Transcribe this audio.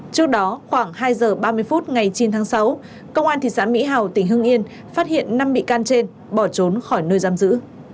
trước đó khoảng hai giờ ba mươi phút ngày chín tháng sáu công an thị xã mỹ hào tỉnh hưng yên phát hiện năm bị can trên bỏ trốn khỏi nơi giam giữ